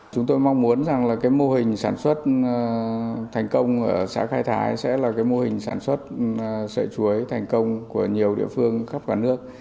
chúng tôi mong muốn rằng là cái mô hình sản xuất thành công ở xã khai thái sẽ là cái mô hình sản xuất sợi chuối thành công của nhiều địa phương khắp cả nước